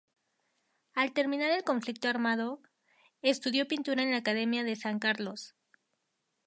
Al terminar el conflicto armado, estudió pintura en la Academia de San Carlos.